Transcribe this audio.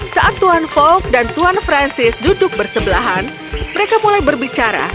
saat tuan folk dan tuan francis duduk bersebelahan mereka mulai berbicara